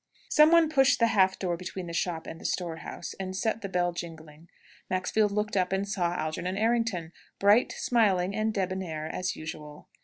Some one pushed the half door between the shop and the storehouse, and set the bell jingling. Maxfield looked up and saw Algernon Errington, bright, smiling, and debonair, as usual.